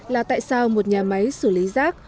là tại sao một nhà máy xử lý rác